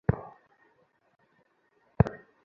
তার নাম অ্যালমা।